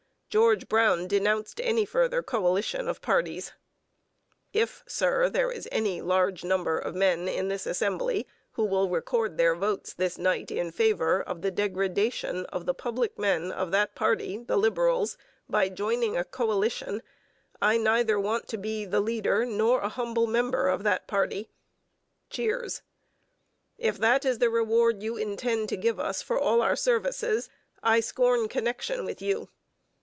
George Brown denounced any further coalition of parties: If, sir, there is any large number of men in this assembly who will record their votes this night in favour of the degradation of the public men of that party [the Liberals] by joining a coalition, I neither want to be a leader nor a humble member of that party. [Cheers.] If that is the reward you intend to give us all for our services, I scorn connection with you.